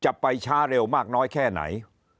จะไปช้าเร็วมากน้อยแค่ไหน